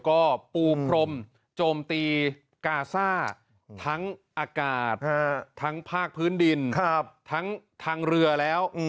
ก็ปูพรมโจมตีกาซ่าทั้งอากาศทั้งภาคพื้นดินทั้งทางเรือแล้ว